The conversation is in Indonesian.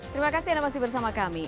terima kasih anda masih bersama kami